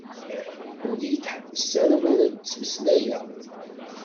Ur yi-d-ḥebbes ara mi ara d-ttmeslayeɣ.